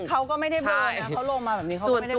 เพราะฉะนั้นเขาลงมาแบบนี้ก็ไม่ได้เบลอ